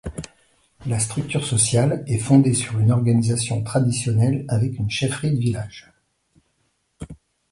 La structure sociale est fondée sur une organisation traditionnelle avec une chefferie de village.